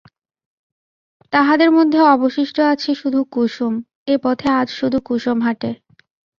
তাহদের মধ্যে অবশিষ্ট আছে শুধু কুসুম, এ পথে আজ শুধু কুসুম হাটে।